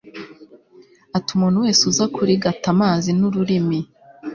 ati umuntu wese uza kurigata amazi n'ururimi